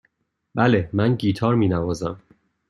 بله، من گیتار می نوازم.